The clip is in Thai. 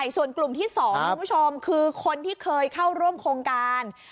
ส่วนกลุ่มที่๒คุณผู้ชมคือคนที่เคยเข้าร่วมโครงการ